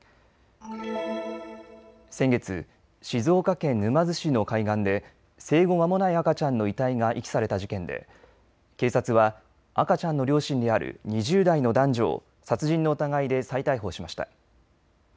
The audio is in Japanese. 先月、静岡県沼津市の海岸で生後まもない赤ちゃんの遺体が遺棄された事件で警察は赤ちゃんの両親にある２０代の男女を殺人の疑いで再逮捕しました。